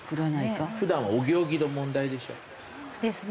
普段はお行儀の問題でしょ？ですね。